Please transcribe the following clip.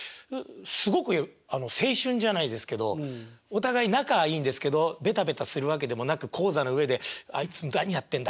すごく青春じゃないですけどお互い仲はいいんですけどベタベタするわけでもなく高座の上であいつ何やってんだ